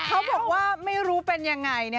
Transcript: เขาบอกว่าไม่รู้เป็นยังไง